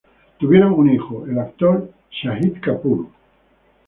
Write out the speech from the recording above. Tuvieron un hijo, el actor Shahid Kapoor.